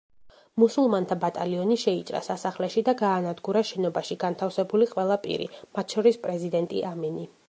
მუსულმანთა ბატალიონი შეიჭრა სასახლეში და გაანადგურა შენობაში განთავსებული ყველა პირი, მათ შორის პრეზიდენტი ამინი.